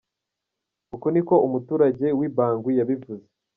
" Uku ni ko umuturage w’i Bangui yabivuze.